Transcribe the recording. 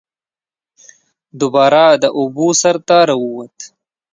دوباره د اوبو سر ته راووت